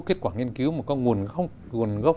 kết quả nghiên cứu một con nguồn gốc